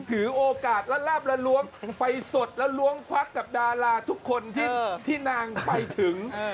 ถือโอกาสร้านละประรวับไปสดละรวมควันตำโดดาราทุกคนที่นางไปถึง